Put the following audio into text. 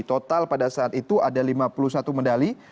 total pada saat itu ada lima puluh satu medali